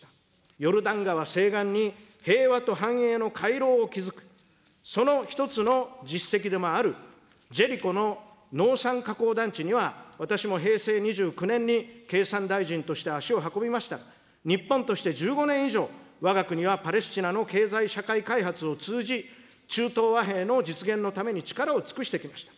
ヨルダン川西岸に平和と繁栄の回廊を築く、その１つの実績でもある、ジェリコの農産加工団地には、私も平成２９年に経産大臣として足を運びましたが、日本として１５年以上、わが国はパレスチナの経済社会開発を通じ、中東和平の実現のために力を尽くしてきました。